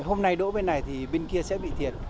hôm nay đỗ bên này thì bên kia sẽ bị thiệt